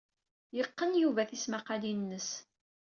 Yeqqen Yuba tismaqqalin-nnes.